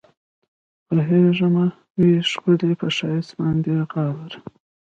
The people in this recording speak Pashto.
پوهېږمه وي ښکلي پۀ ښائست باندې غاوره